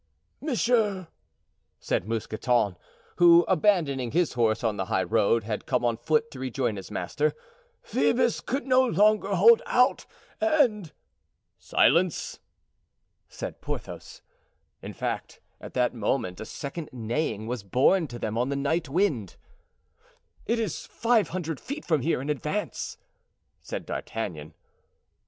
"Monsieur," said Mousqueton, who, abandoning his horse on the high road, had come on foot to rejoin his master, "Phoebus could no longer hold out and——" "Silence!" said Porthos. In fact, at that moment a second neighing was borne to them on the night wind. "It is five hundred feet from here, in advance," said D'Artagnan.